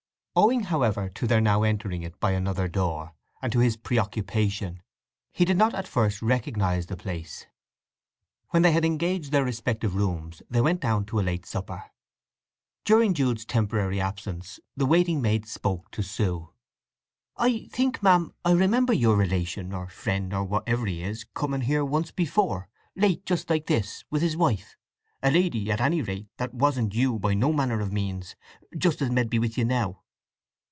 Owing, however, to their now entering it by another door, and to his preoccupation, he did not at first recognize the place. When they had engaged their respective rooms they went down to a late supper. During Jude's temporary absence the waiting maid spoke to Sue. "I think, ma'am, I remember your relation, or friend, or whatever he is, coming here once before—late, just like this, with his wife—a lady, at any rate, that wasn't you by no manner of means—jest as med be with you now."